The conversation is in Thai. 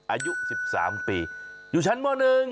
อายุ๑๓ปีอยู่ชั้นม๑